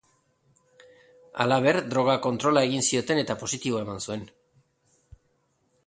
Halaber, droga kontrola egin zioten eta positibo eman zuen.